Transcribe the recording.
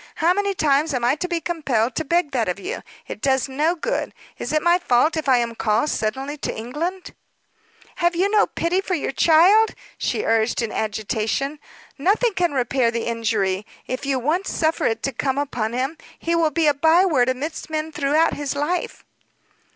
How many times am I to be compelled to beg that of you! It does no good. Is it my fault, if I am called suddenly to England?" "Have you no pity for your child?" she urged in agitation. "Nothing can repair the injury, if you once suffer it to come upon him. He will be a by word amidst men throughout his life."